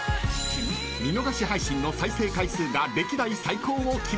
［見逃し配信の再生回数が歴代最高を記録！］